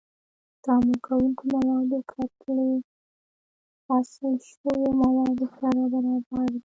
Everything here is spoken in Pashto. د تعامل کوونکو موادو کتله له حاصل شویو موادو سره برابره ده.